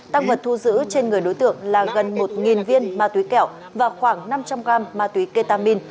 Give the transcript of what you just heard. tăng vật thu giữ trên người đối tượng là gần một viên ma túy kẹo và khoảng năm trăm linh gram ma túy ketamin